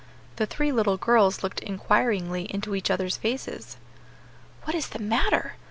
The three little girls looked inquiringly into each other's faces. "What is the matter?